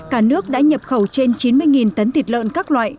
cả nước đã nhập khẩu trên chín mươi tấn thịt lợn các loại